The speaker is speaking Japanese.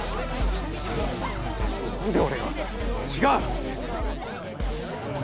何で俺が違う！